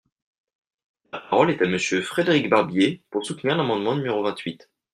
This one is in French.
La parole est à Monsieur Frédéric Barbier, pour soutenir l’amendement numéro vingt-huit.